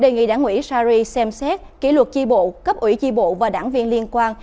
đề nghị đảng ủy sari xem xét kỷ luật chi bộ cấp ủy chi bộ và đảng viên liên quan